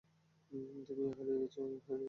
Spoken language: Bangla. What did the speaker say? তুমিও হারিয়ে গেছো আমিও হারিয়ে গেছি।